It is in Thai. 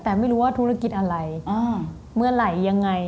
แต่ไม่รู้ว่าธุรกิจอะไรเมื่อไหร่ยังไง